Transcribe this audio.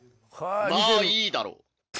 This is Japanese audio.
まあいいだろう